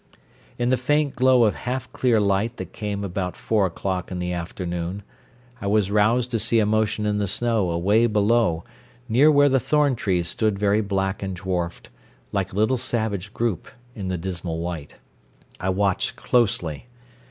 In the faint glow of half clear light that came about four o'clock in the afternoon, I was roused to see a motion in the snow away below, near where the thorn trees stood very black and dwarfed, like a little savage group, in the dismal white. I watched closely.